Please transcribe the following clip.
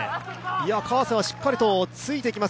川瀬はしっかりついていきます。